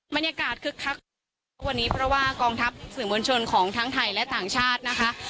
บรรยากาศคึกคักทุกวันนี้เพราะว่ากองทัพสื่อมวลชนของทั้งไทยและต่างชาตินะคะ